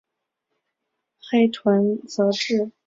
黑臀泽蛭为舌蛭科泽蛭属下的一个种。